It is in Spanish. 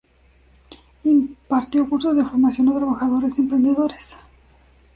Impartió cursos de formación a trabajadores y emprendedores.